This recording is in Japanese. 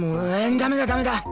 ダメだダメだ！